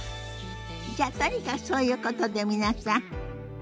じゃあとにかくそういうことで皆さんごきげんよう。